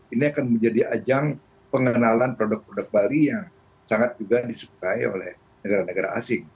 ini akan menjadi ajang pengenalan produk produk bali yang sangat juga disukai oleh negara negara asing